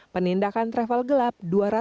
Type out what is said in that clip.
penindakan travel gelap dua ratus tiga puluh satu